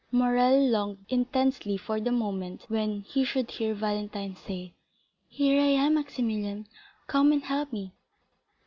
Morrel longed intensely for the moment when he should hear Valentine say, "Here I am, Maximilian; come and help me."